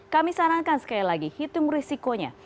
kami sarankan sekali lagi hitung risikonya